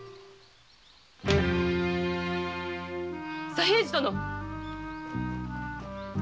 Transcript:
左平次殿！